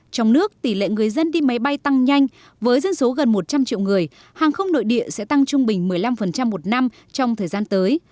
trong nước tỷ lệ người dân đi máy bay tăng nhanh với dân số gần một trăm linh triệu người hàng không nội địa sẽ tăng trung bình một mươi năm một năm trong thời gian tới